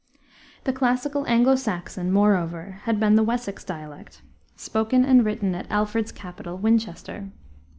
The classical Anglo Saxon, moreover, had been the Wessex dialect, spoken and written at Alfred's capital, Winchester.